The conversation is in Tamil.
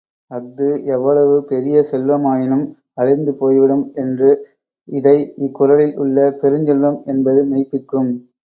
அஃது எவ்வளவு பெரிய செல்வமாயினும் அழிந்து போய்விடும் என்று.இதை இக்குறளில் உள்ள பெருஞ்செல்வம் என்பது மெய்ப்பிக்கும்.